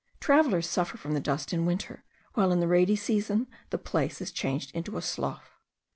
Travellers suffer from the dust in winter, while in the rainy season the place is changed into a slough.